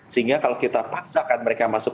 sehingga kalau kita paksakan mereka masuk